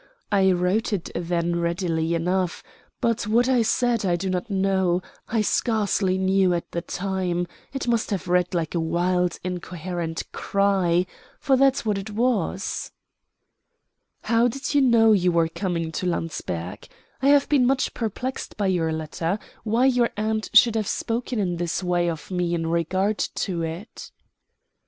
I wrote it then readily enough; but what I said I do not know I scarcely knew at the time it must have read like a wild, incoherent cry for that's what it was." "How did you know you were coming to Landsberg? I have been much perplexed by your letter, why your aunt should have spoken in this way of me in regard to it."